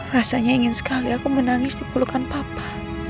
rasanya ingin sekali aku menangis di pelukan papa